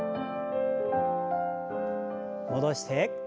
戻して。